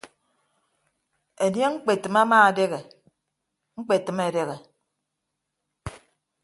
Enie ñkpetịm ama edehe ñkpetịm edehe.